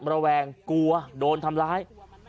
ระแวงกลัวโดนทำร้าย